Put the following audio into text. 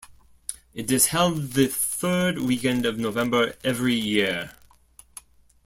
It is held the third weekend of November every year.